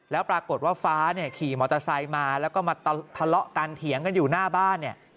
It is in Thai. แล้วปรากฏว่าฟ้าเนี่ยขี่มอเตอร์ไซค์มาแล้วก็มาทะเลาะกันเถียงกันอยู่หน้าบ้านเนี่ย